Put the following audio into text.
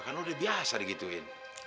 kan lo udah biasa digituin